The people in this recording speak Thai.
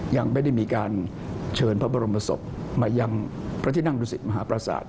ยังไม่ได้มีการเชิญพระบรมศพมายังพระที่นั่งดุสิตมหาประสาท